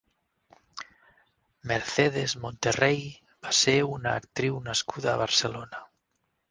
Mercedes Monterrey va ser una actriu nascuda a Barcelona.